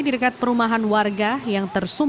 di dekat perumahan warga yang tersebar